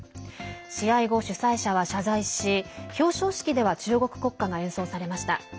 試合後、主催者は謝罪し表彰式では中国国歌が演奏されました。